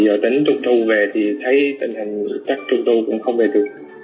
giờ tính trung thu về thì thấy tình hình chắc trung tu cũng không về được